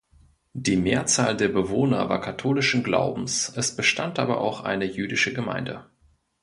Die Mehrzahl der Bewohner war katholischen Glaubens, es bestand aber auch eine jüdische Gemeinde.